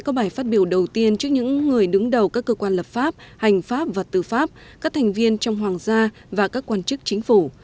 các thành viên trong hoàng gia và các quan chức chính phủ